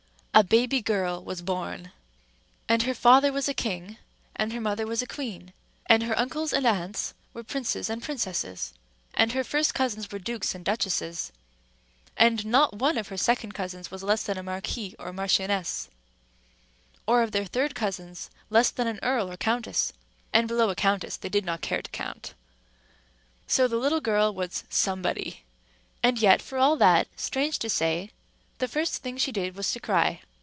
A baby girl was born; and her father was a king; and her mother was a queen; and her uncles and aunts were princes and princesses; and her first cousins were dukes and duchesses; and not one of her second cousins was less than a marquis or marchioness, or of their third cousins less than an earl or countess: and below a countess they did not care to count. So the little girl was Somebody; and yet for all that, strange to say, the first thing she did was to cry.